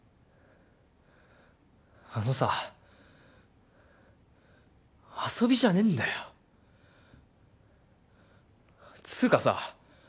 あのさ遊びじゃねぇんだよつうかさ